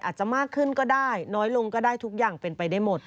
อาจจะมากขึ้นก็ได้น้อยลงก็ได้ทุกอย่างเป็นไปได้หมด